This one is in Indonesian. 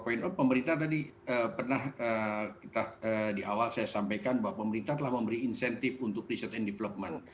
pemerintah tadi pernah di awal saya sampaikan bahwa pemerintah telah memberi insentif untuk research and development